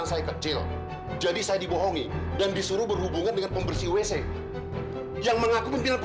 sampai jumpa di video selanjutnya